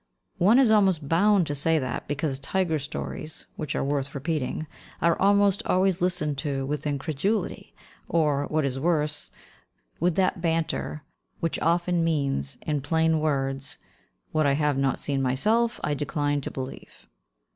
One is almost bound to say that, because tiger stories, which are worth repeating, are almost always listened to with incredulity, or, what is worse, with that banter which often means, in plain words, "What I have not seen myself I decline to believe."